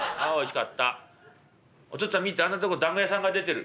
お父っつぁん見てあんなとこ団子屋さんが出てる」。